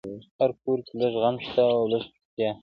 هر کور کي لږ غم شته او لږ چوپتيا،